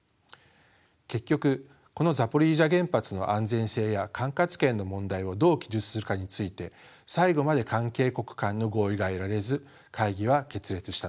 結局このザポリージャ原発の安全性や管轄権の問題をどう記述するかについて最後まで関係国間の合意が得られず会議は決裂したのです。